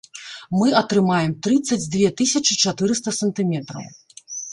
Мы атрымаем трыццаць дзве тысячы чатырыста сантыметраў.